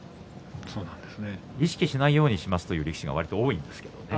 意識しないようにしますという力士が多いんですけどね。